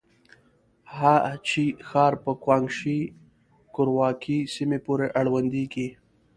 هه چه ښار په ګوانګ شي کورواکې سيمې پورې اړونديږي.